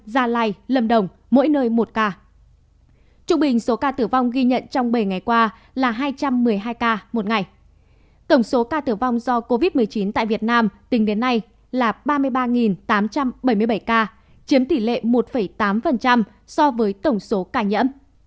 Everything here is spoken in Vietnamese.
tổng số ca tử vong do covid một mươi chín tại việt nam tính đến nay là ba mươi ba tám trăm bảy mươi bảy ca chiếm tỷ lệ một tám so với tổng số ca nhẫm